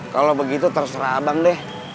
kalau begitu terserah abang deh